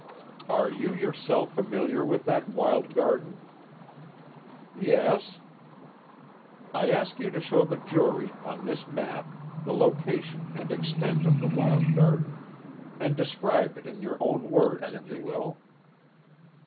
"Are you yourself familiar with that wild garden?" "Yes." "I ask you to show the jury, on this map, the location and extent of the wild garden. And describe it in your own words, if you will."